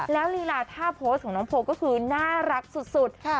แล้วลีลาท่าโพสต์ของน้องโพลก็คือน่ารักสุด